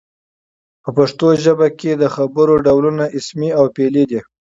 په پښتو ژبه کښي د خبر ډولونه اسمي او فعلي دي.